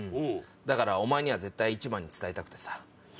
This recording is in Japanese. だからお前には絶対一番に伝えたくてさ。